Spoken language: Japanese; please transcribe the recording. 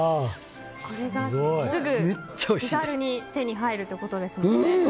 これが手軽に手に入るということですもんね。